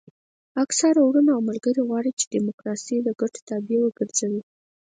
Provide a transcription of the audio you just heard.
اکثره وروڼه او ملګري غواړي چې ډیموکراسي د ګټو تابع وګرځوي.